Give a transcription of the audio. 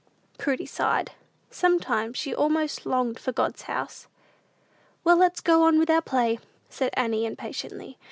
Prudy sighed. Sometimes she almost longed for "God's house." "Well, let's go on with our play," said Annie, impatiently.